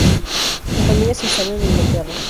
La familia se instaló en Inglaterra.